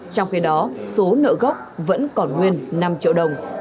trong khi đó số nợ gốc vẫn còn nguyên năm triệu đồng